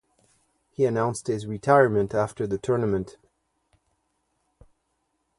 He announced his retirement after the tournament.